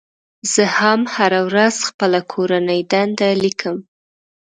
زه هم هره ورځ خپله کورنۍ دنده لیکم.